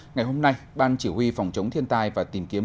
ngày hôm nay ban chỉ huy phòng chống thiên tai và tìm kiếm